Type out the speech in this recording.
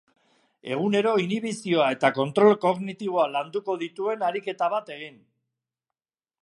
Egunero inhibizioa eta kontrol kognitiboa landuko dituen ariketa bat egin.